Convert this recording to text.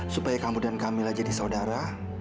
supaya kamu dan kamilah jadi saudara